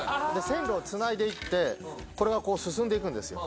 線路をつないでいってこれがこう進んでいくんですよ。